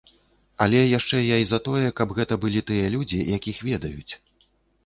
Але яшчэ я і за тое, каб гэта былі тыя людзі, якіх ведаюць.